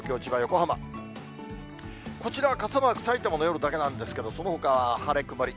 こちらは傘マーク、さいたまの夜だけなんですけれども、そのほかは晴れ、曇り。